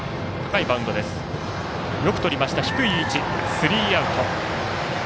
スリーアウト。